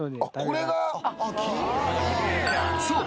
［そう。